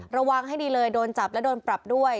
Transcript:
ระวังให้ดีเลยโดนจับและโดนปรับด้วย